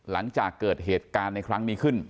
หลังจากเกิดเหตุการณ์ในครั้งนี้ขึ้น